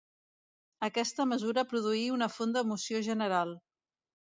Aquesta mesura produí una fonda emoció general.